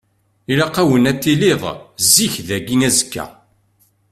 Ilaq-awen ad tiliḍ zik dagi azekka.